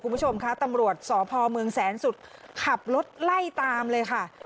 คุณผู้ชมคะตำรวจสพเมืองแสนสุดขับรถไล่ตามเลยค่ะ